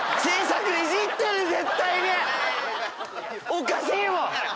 おかしいもん！